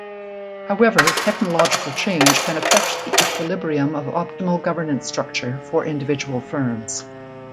However, technological change can affect the equilibrium of optimal governance structure for individual firms.